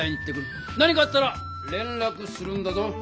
何かあったられんらくするんだぞ。